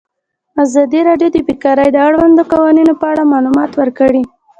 ازادي راډیو د بیکاري د اړونده قوانینو په اړه معلومات ورکړي.